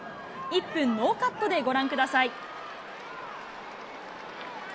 １分ノーカットでご覧ください。